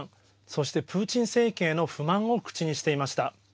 そして、プーチン政権への不満を口にしていました。